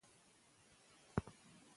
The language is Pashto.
دا موټر ساده و.